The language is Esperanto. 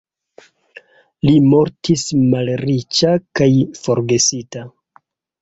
Li mortis malriĉa kaj forgesita.